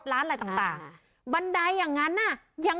เหมือนเข้าหน้าร้านเหมือนเข้าหน้าร้าน